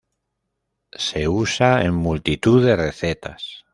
Se usa en multitud de recetas.